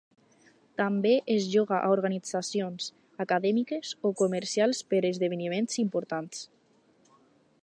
També es lloga a organitzacions acadèmiques o comercials per esdeveniments importants.